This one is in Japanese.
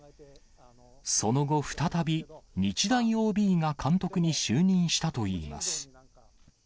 その後、再び日大ＯＢが監督に就任したといいます。